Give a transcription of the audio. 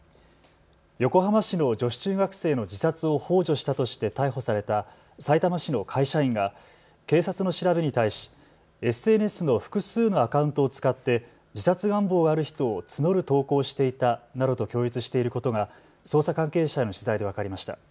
横浜市の女子中学生の自殺をほう助したとして逮捕されたさいたま市の会社員が警察の調べに対しＳＮＳの複数のアカウントを使って自殺願望がある人を募る投稿していたなどと供述していることが捜査関係者への取材で分かりました。